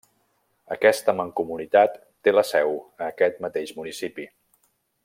Aquesta Mancomunitat té la seu a aquest mateix municipi.